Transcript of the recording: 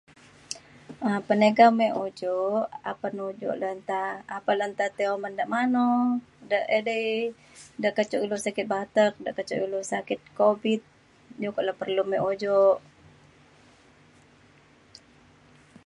um peniga muek ujok apan ujok le nta apan le nta tai uman de mano da edei de ke cuk ilu sakit batek da ke cuk ilu sakit Covid perlu ko muek ujok